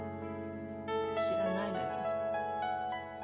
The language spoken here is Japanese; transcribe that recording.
知らないのよ。